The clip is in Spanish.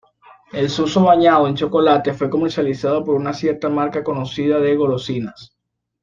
El suso bañado en chocolate fue comercializado por una cierta marca conocida de golosinas.